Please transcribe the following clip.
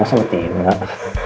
saya berpikir enggak